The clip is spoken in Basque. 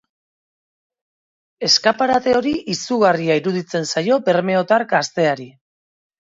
Eskaparate hori izugarria iruditzen zaio bermeotar gazteari.